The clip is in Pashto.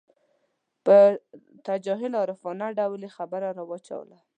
په تجاهل عارفانه ډول یې خبره راواچوله.